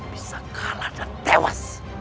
bisa kalah dan tewas